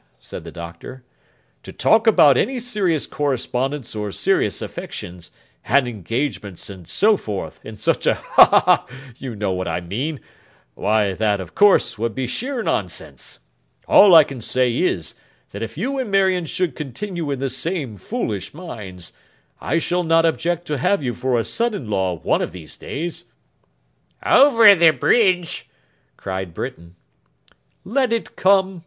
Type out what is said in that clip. said the Doctor. 'To talk about any serious correspondence or serious affections, and engagements and so forth, in such a—ha ha ha!—you know what I mean—why that, of course, would be sheer nonsense. All I can say is, that if you and Marion should continue in the same foolish minds, I shall not object to have you for a son in law one of these days.' 'Over the bridge!' cried Britain. 'Let it come!